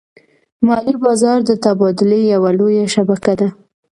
مالي بازار د تبادلې یوه لویه شبکه ده.